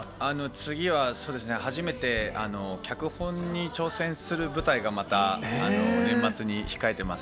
次は、そうですね、初めて脚本に挑戦する舞台がまた年末に控えてます。